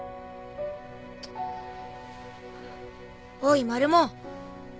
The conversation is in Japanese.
おいマルモ。